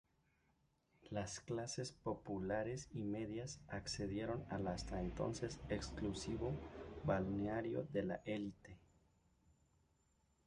Las clases populares y medias accedieron al hasta entonces exclusivo balneario de la elite.